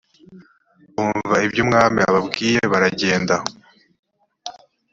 bumva ibyo umwami ababwiye baragenda